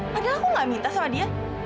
padahal aku gak minta sama dia